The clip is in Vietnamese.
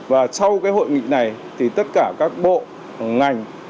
và sau hội nghị này tất cả các bộ ngành